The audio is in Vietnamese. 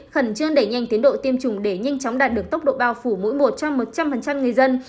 khẩn trương đẩy nhanh tiến độ tiêm chủng để nhanh chóng đạt được tốc độ bao phủ mỗi một cho một trăm linh người dân